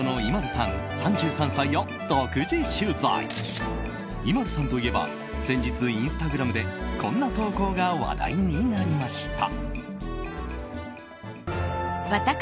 ＩＭＡＬＵさんといえば先日、インスタグラムでこんな投稿が話題になりました。